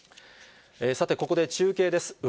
さて、ここで中継です。